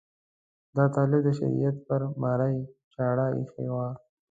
دا طالب د شریعت پر مرۍ چاړه ایښې وه.